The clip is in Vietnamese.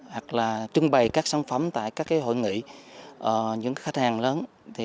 hoặc là trưng bày các sản phẩm tại các hội nghị những khách hàng lớn